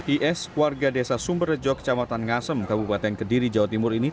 is warga desa sumberjo kecamatan ngasem kabupaten kediri jawa timur ini